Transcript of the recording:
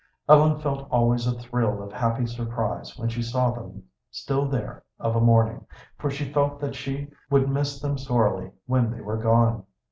Ellen felt always a thrill of happy surprise when she saw them still there of a morning, for she felt that she would miss them sorely when they were gone.